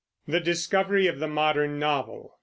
THE DISCOVERY OF THE MODERN NOVEL.